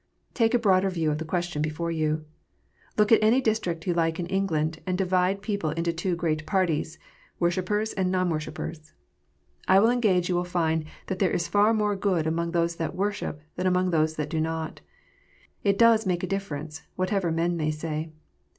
Take a broader view of the question before you. Look at any district you like in England, and divide people into two great parties, worshippers and non worshippers. I will engage you will find that there is far more good among those that worship than among those that do not. It does make a differ ence, whatever men may say.